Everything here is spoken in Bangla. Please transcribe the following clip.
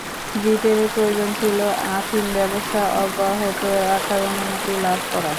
ব্রিটেনের প্রয়োজন ছিল আফিম ব্যবসা অব্যাহত রাখার অনুমতি লাভ করা।